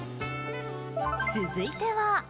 続いては。